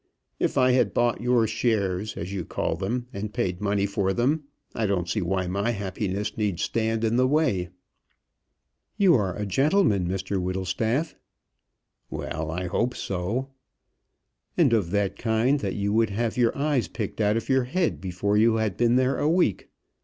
If I had bought your shares, as you call them, and paid money for them, I don't see why my happiness need stand in the way." "You are a gentleman, Mr Whittlestaff." "Well; I hope so." "And of that kind that you would have your eyes picked out of your head before you had been there a week.